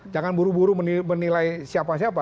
jangan buru buru menilai siapa siapa